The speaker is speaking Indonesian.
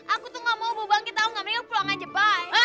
aku tuh gak mau buang bangke tau gak mendingan pulang aja bye